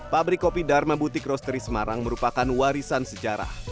pabrik kopi dharma butik rosteri semarang merupakan warisan sejarah